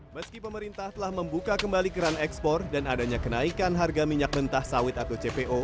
meski pemerintah telah membuka kembali keran ekspor dan adanya kenaikan harga minyak mentah sawit atau cpo